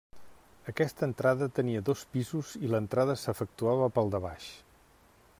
Aquesta entrada tenia dos pisos i l'entrada s'efectuava pel de baix.